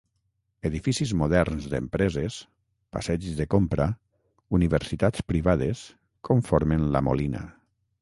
Edificis moderns d'empreses, passeigs de compra, universitats privades conformen La Molina.